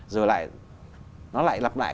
rồi lại nó lại lặp lại